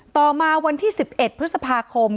ต่อมาวันที่๑๑พฤษภาคม